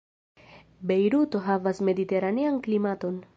Bejruto havas mediteranean klimaton.